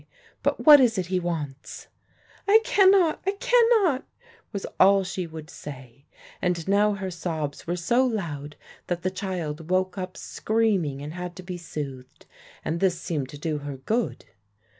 'But what is it he wants?' "'I cannot I cannot!' was all she would say; and now her sobs were so loud that the child woke up screaming and had to be soothed. And this seemed to do her good.